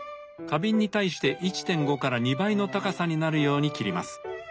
花瓶に対して１．５から２倍の高さになるように切ります。